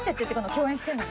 共演してんのに。